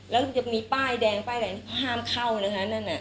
แล้วก็จะมีป้ายแดงป้ายแดงที่เขาห้ามเข้านะคะ